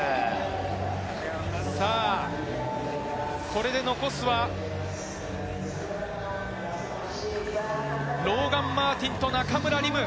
これで残すはローガン・マーティンと中村輪夢。